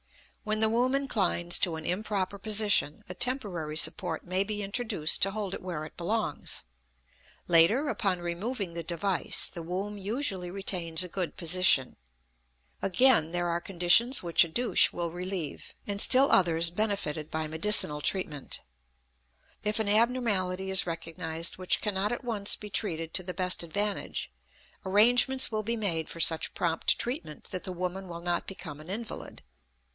When the womb inclines to an improper position, a temporary support may be introduced to hold it where it belongs; later, upon removing the device, the womb usually retains a good position. Again, there are conditions which a douche will relieve, and still others benefited by medicinal treatment. If an abnormality is recognized which cannot at once be treated to the best advantage, arrangements will be made for such prompt treatment that the woman will not become an invalid.